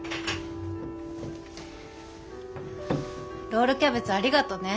ロールキャベツありがとね。